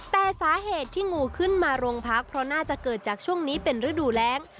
แต่สาเหตุที่งูขึ้นมาโรงพักเพราะน่าจะเกิดจากช่วงนี้เป็นฤดูแรง